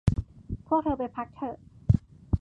พวกเธอไปพักเถอะ